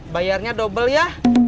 bayarnya dobel ya